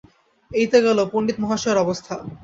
এই তো গেল পণ্ডিতমহাশয়ের অবস্থা।